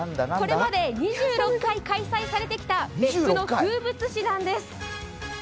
これまで２６回開催されてきた別府の風物詩なんです。